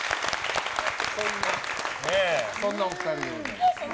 そんなお二人でございます。